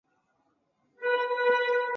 水母雪兔子为菊科风毛菊属的植物。